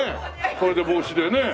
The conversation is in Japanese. これで帽子でねえ？